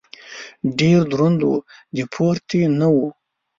ډېر دروند و . د پورتې نه و.